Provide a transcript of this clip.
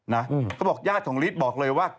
เขาบอกญาติของฤทธิ์บอกเลยว่า